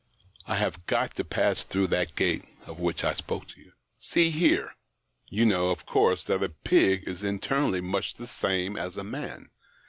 I have got to pass through that gate of which I spoke to you. See here, — you know, of course, that a pig is internally much the same as a man.